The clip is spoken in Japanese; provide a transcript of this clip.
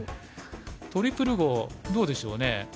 トリプル碁どうでしょうね。